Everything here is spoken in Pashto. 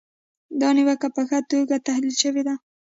دا نیوکه په ښه توګه تحلیل شوې ده.